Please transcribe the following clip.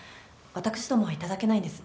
私どもは頂けないんです。